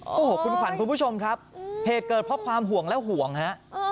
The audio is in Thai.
โอ้โหคุณขวัญคุณผู้ชมครับเหตุเกิดเพราะความห่วงและห่วงฮะ